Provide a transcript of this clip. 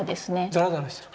ザラザラしてる。